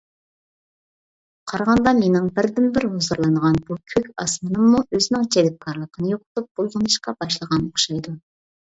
قارىغاندا مېنىڭ بىردىن بىر ھۇزۇرلىنىدىغان بۇ كۆك ئاسمىنىممۇ ئۆزىنىڭ جەلپكارلىقىنى يوقىتىپ بۇلغىنىشقا باشلىغان ئوخشايدۇ.